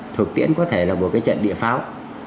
thực tiễn có thể là một cái trận địa pháo